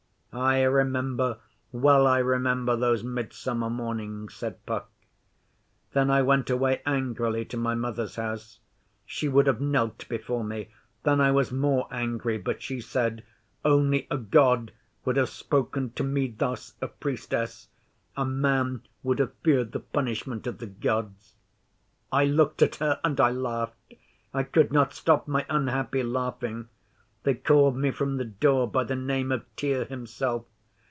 'I remember. Well I remember those Midsummer Mornings!' said Puck. 'Then I went away angrily to my Mother's house. She would have knelt before me. Then I was more angry, but she said, "Only a God would have spoken to me thus, a Priestess. A man would have feared the punishment of the Gods." I looked at her and I laughed. I could not stop my unhappy laughing. They called me from the door by the name of Tyr himself.